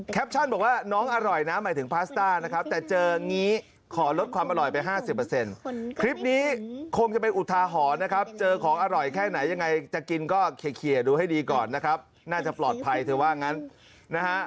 บอกว่าน้องอร่อยนะหมายถึงพาสต้านะครับแต่เจองี้ขอลดความอร่อยไป๕๐คลิปนี้คงจะเป็นอุทาหรณ์นะครับเจอของอร่อยแค่ไหนยังไงจะกินก็เคลียร์ดูให้ดีก่อนนะครับน่าจะปลอดภัยเธอว่างั้นนะฮะ